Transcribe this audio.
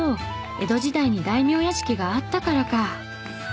江戸時代に大名屋敷があったからか。